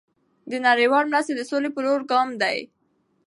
دเงินบาทไทย نړیوال مرسته د سولې په لور ګام دی.